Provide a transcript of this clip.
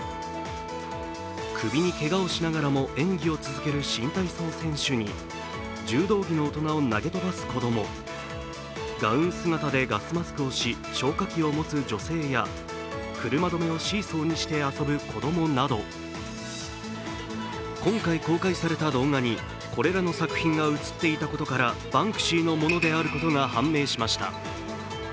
首にけがをしながらも演技を続ける新体操選手に柔道着の大人を投げ飛ばす子供、ガウン姿でガスマスクをし消火器を持つ女性や車止めをシーソーにして遊ぶ子供など今回公開された動画に、これらの作品が映っていたことからバンクシーのものであることが判明しました。